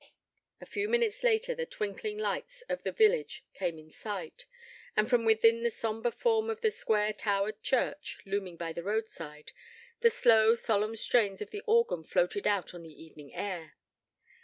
A few minutes later the twinkling lights of the village came in sight, and from within the sombre form of the square towered church, looming by the roadside, the slow, solemn strains of the organ floated out on the evening air.